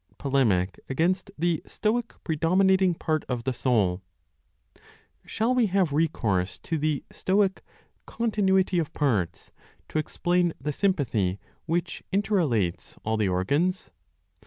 POLEMIC AGAINST THE STOIC PREDOMINATING PART OF THE SOUL. Shall we have recourse to the (Stoic) "continuity of parts" to explain the sympathy which interrelates all the organs?